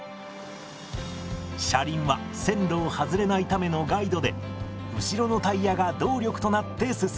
車輪は線路を外れないためのガイドで後ろのタイヤが動力となって進みます。